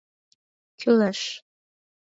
— Кӱлеш.